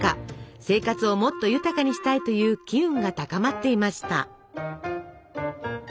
生活をもっと豊かにしたいという機運が高まっていました。